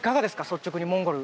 率直にモンゴル